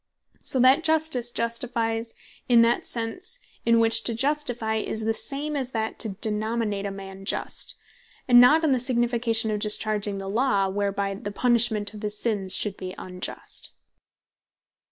So that Justice Justifies in that that sense, in which to Justifie, is the same that to Denominate A Man Just; and not in the signification of discharging the Law; whereby the punishment of his sins should be unjust.